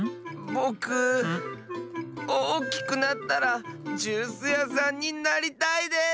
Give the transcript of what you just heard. ぼくおおきくなったらジュースやさんになりたいです！